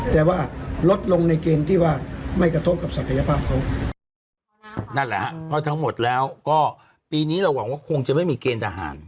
แต่ว่าลดลงในเกณฑ์ที่ว่าไม่กระโทกกับศักยภาพเขา